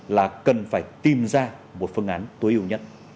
là cần phải tìm ra một phương án tối ưu nhất